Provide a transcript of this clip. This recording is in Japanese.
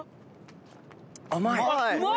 甘い！